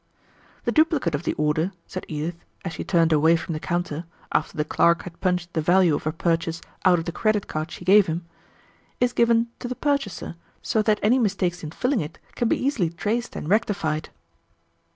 "The duplicate of the order," said Edith as she turned away from the counter, after the clerk had punched the value of her purchase out of the credit card she gave him, "is given to the purchaser, so that any mistakes in filling it can be easily traced and rectified."